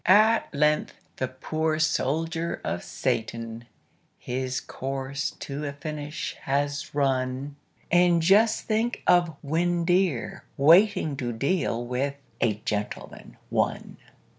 At length the poor soldier of Satan His course to a finish has run And just think of Windeyer waiting To deal with "A Gentleman, One"!